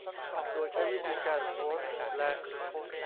โดยใช้วิธีการโพสและ